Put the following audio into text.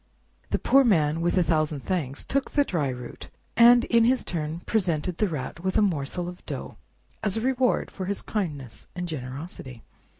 The Poor Man, with a thousand thanks, took the dry root, and in his turn presented the Rat with a morsel of dough, as a reward for his kindness and generosity.